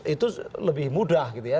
itu lebih mudah gitu ya